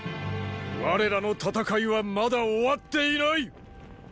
我らの戦いはまだ終わっていない！！